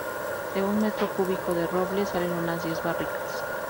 De un metro cúbico de roble salen unas diez barricas.